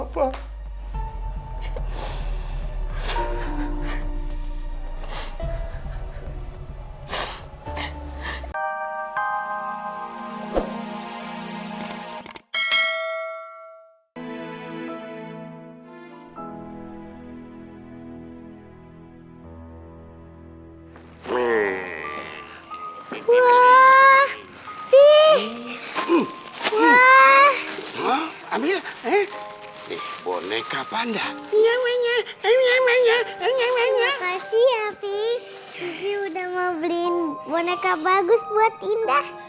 pipi udah mau beliin boneka bagus buat indah